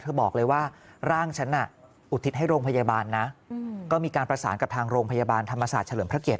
บอกเลยว่าร่างฉันน่ะอุทิศให้โรงพยาบาลนะก็มีการประสานกับทางโรงพยาบาลธรรมศาสตร์เฉลิมพระเกียร